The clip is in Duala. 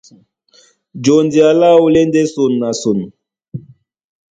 Jondea láō lá e ndé son na son.